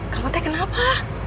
kamu teh kenapa